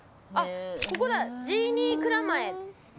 ここだ、ジーニークラマエ。